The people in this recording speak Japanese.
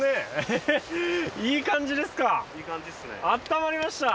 いい感じっすね。